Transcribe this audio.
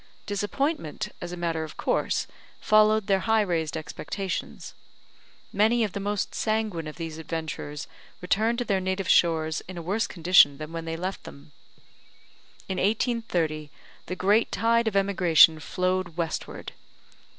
Disappointment, as a matter of course, followed their high raised expectations. Many of the most sanguine of these adventurers returned to their native shores in a worse condition than when they left them. In 1830, the great tide of emigration flowed westward.